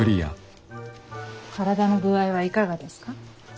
体の具合はいかがですか。